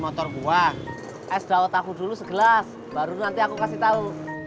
motor buah es dawet tahu dulu segelas baru nanti aku kasih tahu